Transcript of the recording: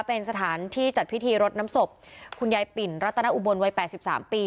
เป็นสถานที่จัดพิธีรดน้ำศพคุณยายปิ่นรัตนอุบลวัย๘๓ปี